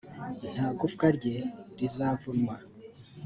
nta gufwa rye rizavunwa